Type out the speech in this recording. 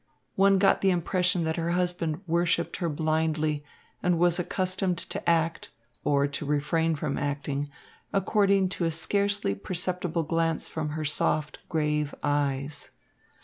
One got the impression that her husband worshipped her blindly and was accustomed to act, or to refrain from acting, according to a scarcely perceptible glance from her soft, grave eyes.